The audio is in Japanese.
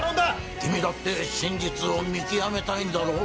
君だって真実を見極めたいんだろう？